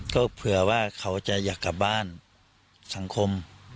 ก็เผื่อว่าเขาจะอยากกลับบ้านสังคม